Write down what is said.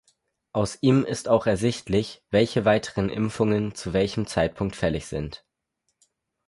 Aus ihm ist auch ersichtlich, welche weiteren Impfungen zu welchem Zeitpunkt fällig sind.